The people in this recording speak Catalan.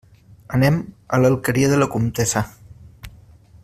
Anem a l'Alqueria de la Comtessa.